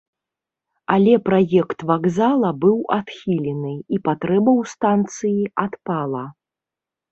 Але праект вакзала быў адхілены, і патрэба ў станцыі адпала.